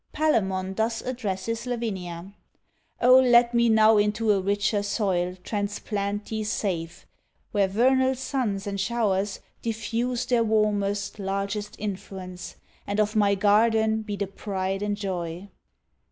Palemon thus addresses Lavinia: Oh, let me now into a richer soil Transplant thee safe, where vernal suns and showers Diffuse their warmest, largest influence; And of my garden be the pride and joy!